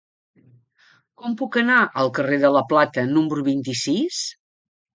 Com puc anar al carrer de la Plata número vint-i-sis?